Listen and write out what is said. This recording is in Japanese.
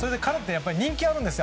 人気もあるんですよ